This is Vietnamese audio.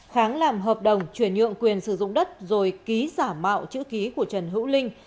kháng làm hợp đồng chuyển nhượng quyền sử dụng đất rồi ký giả mạo chữ ký của trần hữu linh